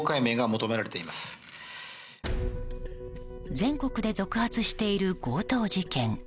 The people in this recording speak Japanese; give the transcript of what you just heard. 全国で続発している強盗事件。